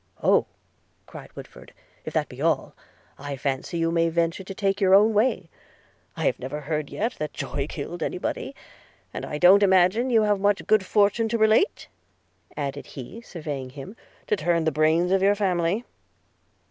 'Oh!' cried Woodford, 'if that be all, I fancy you may venture to take your own way – I never heard yet that joy killed any body; and I don't imagine you have much good fortune to relate (added he, surveying him) to turn the brains of your family.'